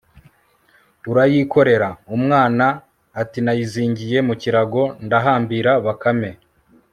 urayikorera? umwana atinayizingiye mu kirago ndahambira. bakame